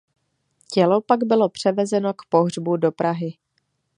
Tělo pak bylo převezeno k pohřbu do Prahy.